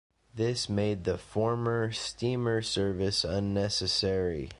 This made the former steamer service unnecessary.